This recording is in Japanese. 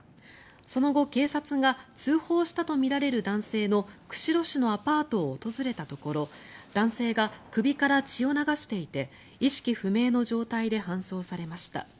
その後、警察が通報したとみられる男性の釧路市のアパートを訪れたところ男性が首から血を流していて意識不明の状態で搬送されました。